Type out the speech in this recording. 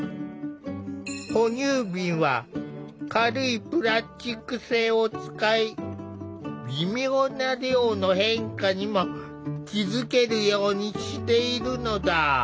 哺乳瓶は軽いプラスチック製を使い微妙な量の変化にも気付けるようにしているのだ。